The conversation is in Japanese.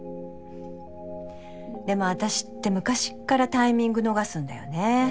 でも私って昔っからタイミング逃すんだよね。